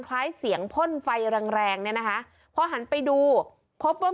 คล้ายเสียงพ่นไฟแรงแรงเนี่ยนะคะพอหันไปดูพบว่า